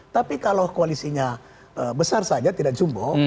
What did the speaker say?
tapi kalau koalisinya besar saja tidak jumbo